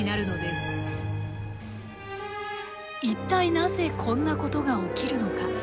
一体なぜこんなことが起きるのか？